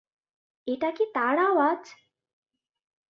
এটা কি তার আওয়াজ?